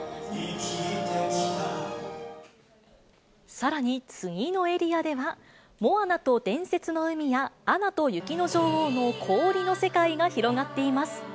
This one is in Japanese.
さらに、次のエリアでは、モアナと伝説の海や、アナと雪の女王の氷の世界が広がっています。